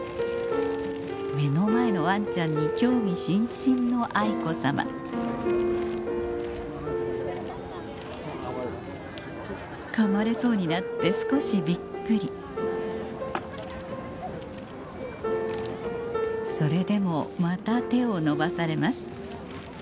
目の前のワンちゃんに興味津々の愛子さまかまれそうになって少しびっくりそれでもまた手を伸ばされます